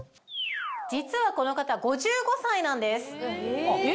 実はこの方５５歳なんです。え！